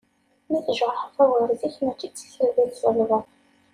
Mi tjerḥeḍ agrez-ik mačči d tisselbi i tselbeḍ.